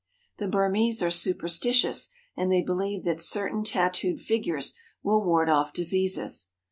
The Burmese are superstitious and they believe that certain tattooed figures will ward off diseases.